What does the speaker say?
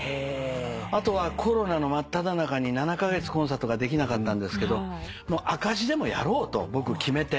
あとはコロナの真っただ中に７カ月コンサートができなかったんですけど赤字でもやろうと僕決めて。